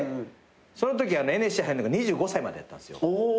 そのときＮＳＣ入るのが２５歳までやったんですよ。